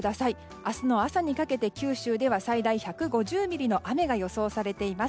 明日の朝にかけて、九州では最大１５０ミリの雨が予想されています。